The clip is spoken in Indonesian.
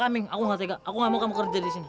aming aku nggak tega aku gak mau kamu kerja di sini